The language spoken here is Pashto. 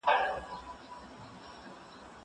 که وخت وي، کار کوم!!